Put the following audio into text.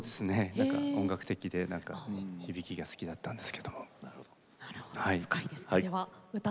音楽的で響きが好きだったんです。